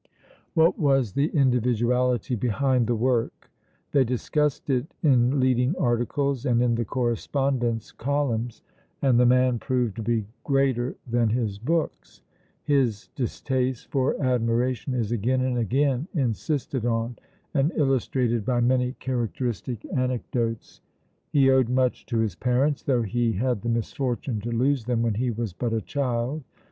What was the individuality behind the work? They discussed it in leading articles and in the correspondence columns, and the man proved to be greater than his books. His distaste for admiration is again and again insisted on and illustrated by many characteristic anecdotes. He owed much to his parents, though he had the misfortune to lose them when he was but a child.